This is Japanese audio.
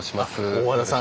大和田さん。